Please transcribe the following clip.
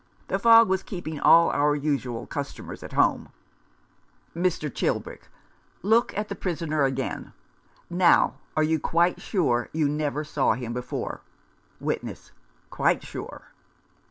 The fog was keeping all our usual customers at home." Mr. Chilbrick :" Look at the prisoner again. Now, are you quite sure you never saw him before ?" Witness :" Quite sure."